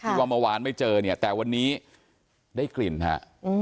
ว่าเมื่อวานไม่เจอเนี่ยแต่วันนี้ได้กลิ่นฮะ